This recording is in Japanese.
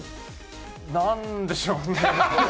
なんでしょうね？